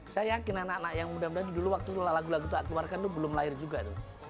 saya yakin anak anak yang muda muda dulu waktu lagu lagu itu aku keluarkan tuh belum lahir juga tuh